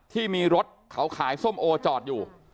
ที่มีรถเขาขายส้มโอจอดอยู่